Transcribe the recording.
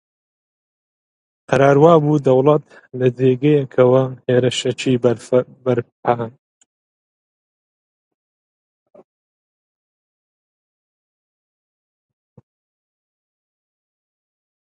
قەرار وا بوو دەوڵەت لە جێگەیەکەوە هێرشێکی بەرپان بکا